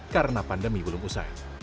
karena pandemi belum usai